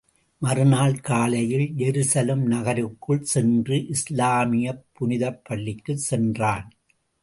மறுநாள் காலையில், ஜெருசலம் நகருக்குள் சென்று, இஸ்லாமியப் புனிதப் பள்ளிக்குச் சென்றான்.